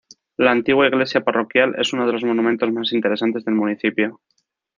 La antigua iglesia parroquial es uno de los monumentos más interesantes del municipio.